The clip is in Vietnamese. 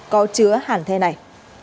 có chứa hàn the này